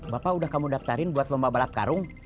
bapak udah kamu daftarin buat lomba balap karung